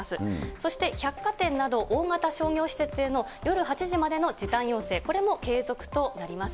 そして百貨店など大型商業施設への夜８時までの時短要請、これも継続となります。